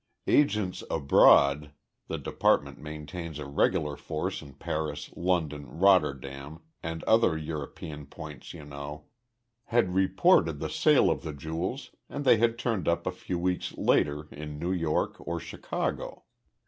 Agents abroad the department maintains a regular force in Paris, London, Rotterdam, and other European points, you know had reported the sale of the jewels and they had turned up a few weeks later in New York or Chicago.